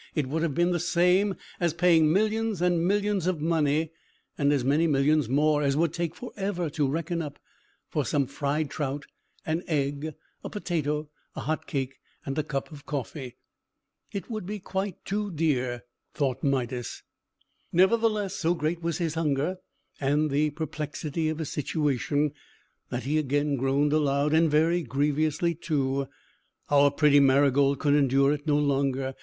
It would have been the same as paying millions and millions of money (and as many millions more as would take forever to reckon up) for some fried trout, an egg, a potato, a hot cake, and a cup of coffee! "It would be quite too dear," thought Midas. Nevertheless, so great was his hunger, and the perplexity of his situation, that he again groaned aloud, and very grievously, too. Our pretty Marygold could endure it no longer.